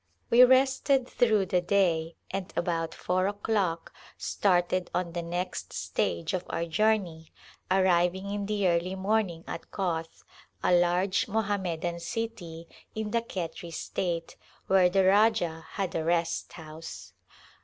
We [Teo] Call to Rajputana rested through the day and about four o'clock started on the next stage of our journey, arriving in the early morning at Koth, a large Mohammedan city in the Khetri state, where the Rajah had a rest house.